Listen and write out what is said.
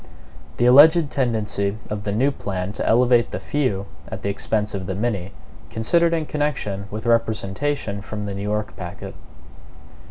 57 The Alleged Tendency of the New Plan to Elevate the Few at the Expense of the Many Considered in Connection with Representation. From the New York Packet.